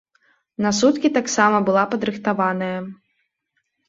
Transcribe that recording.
На суткі таксама была падрыхтаваная.